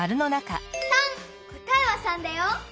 こたえは３だよ。